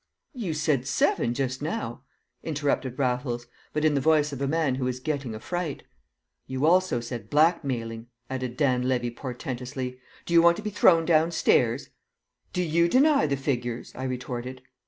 "You said 'seven' just now," interrupted Raffles, but in the voice of a man who was getting a fright. "You also said 'blackmailing,'" added Dan Levy portentously. "Do you want to be thrown downstairs?" "Do you deny the figures?" I retorted.